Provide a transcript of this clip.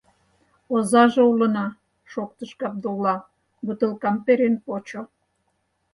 — Озаже улына, — шоктыш Габдулла, бутылкам перен почо.